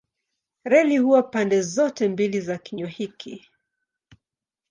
Reli huwa pande zote mbili za kinywa hiki.